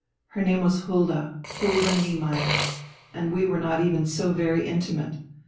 Her name was Hulda, Hulda Niemeyer, and we were not even so very intimate.